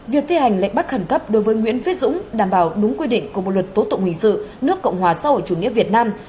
việc thi hành lệnh bắt khẩn cấp đối với nguyễn viết dũng đảm bảo đúng quy định của bộ luật tố tụng hình sự nước cộng hòa xã hội chủ nghĩa việt nam